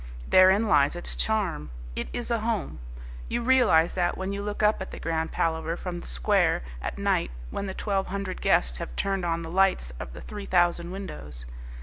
Therein lies its charm. It is a home. You realize that when you look up at the Grand Palaver from the square at night when the twelve hundred guests have turned on the lights of the three thousand windows.